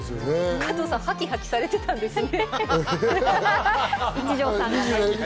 加藤さん、ハキハキされていたんですね。